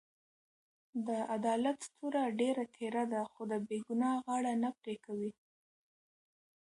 د عدالت توره ډېره تېره ده؛ خو د بې ګناه غاړه نه پرې کوي.